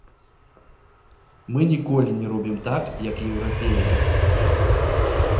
Мы ніколі не робім так, як еўрапеец.